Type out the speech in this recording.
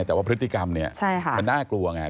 แต่ว่าพฤติกรรมน่ากลัวไง